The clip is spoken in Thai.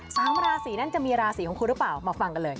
สามราศีนั้นจะมีราศีของคุณหรือเปล่ามาฟังกันเลย